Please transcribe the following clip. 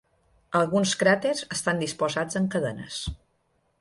Alguns cràters estan disposats en cadenes.